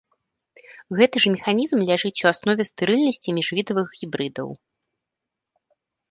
Гэты ж механізм ляжыць у аснове стэрыльнасці міжвідавых гібрыдаў.